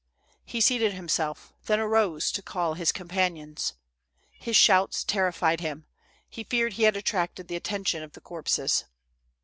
He seated himself, then arose to call his companions. Ilis shouts terrified him; he feared he had attracted the attention of the corpses.